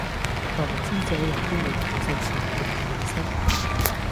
投資者有機會蒙受全盤損失